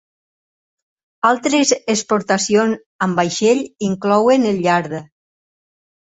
Altres exportacions amb vaixell inclouen el llard.